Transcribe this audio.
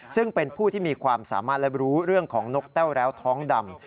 ซึ่งเป็นผู้ที่มีความสามารถและรู้เรื่องของนกแต้วแล้วท้องดำ